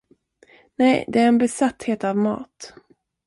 Nej, det är en besatthet av mat.